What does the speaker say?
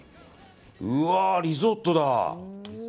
うわーリゾットだ！